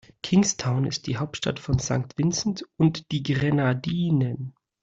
Kingstown ist die Hauptstadt von St. Vincent und die Grenadinen.